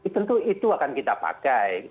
tentu itu akan kita pakai